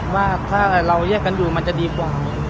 ว่าถ้าเราแยกกันอยู่มันจะดีกว่า